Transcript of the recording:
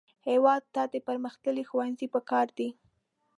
هېواد ته پرمختللي ښوونځي پکار دي